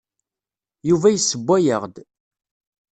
Yuba yessewway-aɣ-d.